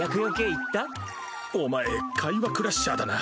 お前会話クラッシャーだな。